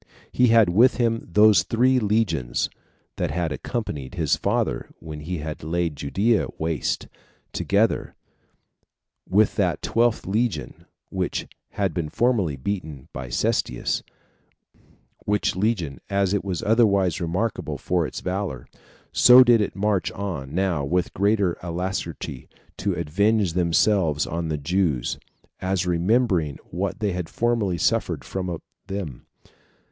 He had with him those three legions that had accompanied his father when he laid Judea waste, together with that twelfth legion which had been formerly beaten with Cestius; which legion, as it was otherwise remarkable for its valor, so did it march on now with greater alacrity to avenge themselves on the Jews, as remembering what they had formerly suffered from them.